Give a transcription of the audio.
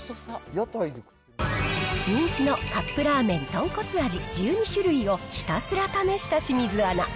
人気のカップラーメン豚骨味、１２種類をひたすら試した清水アナ。